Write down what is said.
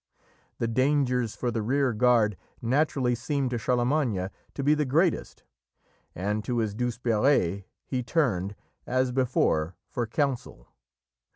The dangers for the rearguard naturally seemed to Charlemagne to be the greatest, and to his Douzeperes he turned, as before, for counsel.